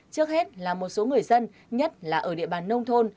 trước hết là một số người dân nhất là ở địa bàn nông thôn